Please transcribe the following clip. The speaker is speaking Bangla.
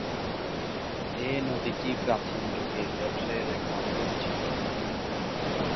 এই নদীটি প্রাচীন যুগে ব্যবসায়ের এক মাধ্যম ছিল।